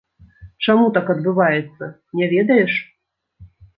Чаму так адбываецца, не ведаеш?